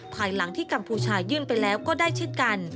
ภายหลังที่กัมพูชายื่นไปแล้วก็ได้เช่นกัน